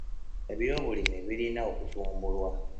Eby'obulimi birina okutumbulwa.